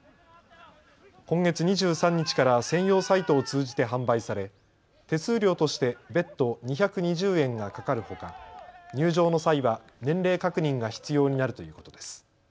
今月２３日から専用サイトを通じて販売され手数料として別途２２０円がかかるほか、入場の際は年齢確認が必要になるということです。